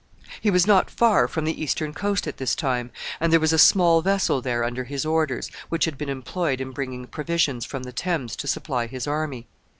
He was not far from the eastern coast at this time, and there was a small vessel there under his orders, which had been employed in bringing provisions from the Thames to supply his army.